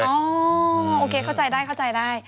โอ้โหโอเคเข้าใจได้